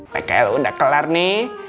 pkl udah kelar nih